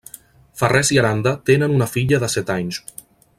Farrés i Aranda tenen una filla de set anys.